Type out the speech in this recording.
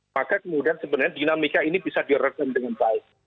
maka kemudian sebenarnya dinamika ini bisa direkam dengan baik